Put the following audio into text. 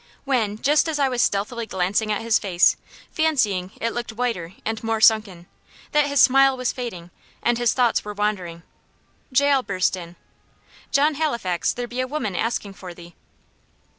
When, just as I was stealthily glancing at his face, fancying it looked whiter and more sunken, that his smile was fading, and his thoughts were wandering Jael burst in. "John Halifax, there be a woman asking for thee."